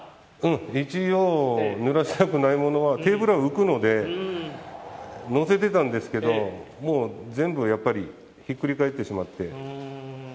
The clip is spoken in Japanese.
一応、ぬらしたくないものはテーブルは浮くので、載せてたんですけど、もう全部やっぱりひっくり返ってしまって。